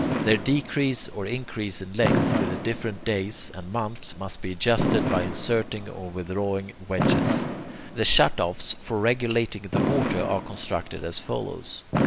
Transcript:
Their decrease or increase in length with the different days and months, must be adjusted by inserting or withdrawing wedges. The shutoffs for regulating the water are constructed as follows.